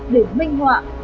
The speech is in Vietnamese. để minh họa